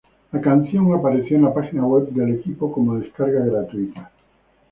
La canción apareció en la página web del equipo como descarga gratuita.